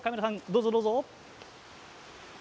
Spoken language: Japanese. どうぞどうぞ。